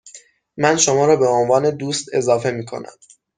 من شما را به عنوان دوست اضافه می کنم.